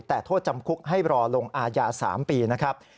แต่โทษจำคุกให้รอลงอาญา๓ปีนะครับ